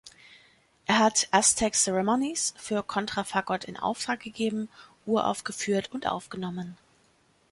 Er hat „Aztec Ceremonies“ für Kontrafagott in Auftrag gegeben, uraufgeführt und aufgenommen.